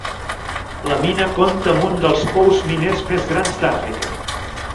La mina compta amb un dels pous miners més grans d'Àfrica.